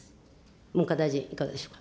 文科大臣、いかがでしょうか。